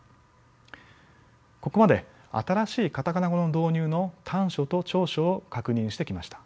ここまで新しいカタカナ語の導入の短所と長所を確認してきました。